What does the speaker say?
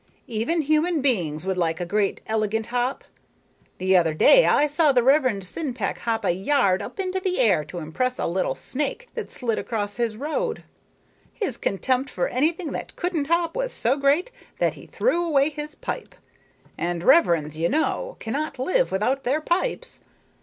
Even human beings would like a high elegant hop. The other day I saw the Reverend Sinpeck hop a yard up into the air to impress a little snake that slid across his road. His contempt for anything that couldn't hop was so great that he threw away his pipe. And reverends, you know, cannot live without their pipes.